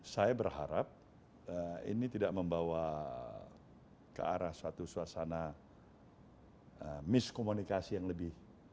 saya berharap ini tidak membawa ke arah suatu suasana miskomunikasi yang lebih